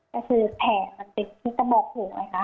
ก็คือแผลมันเป็นที่กระบอกถูกไหมคะ